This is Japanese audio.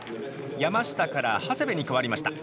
山下から長谷部に代わりました。